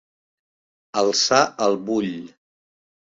Alçar el bull.